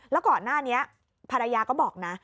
แล้วก่อนหน้านี้ภรรยาก็บอกนะ